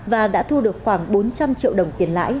và đã thu được khoảng bốn trăm linh triệu đồng